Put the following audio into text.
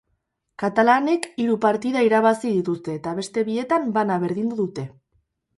Katalanek hiru partida irabazi dituzte eta beste bietan bana berdindu dute.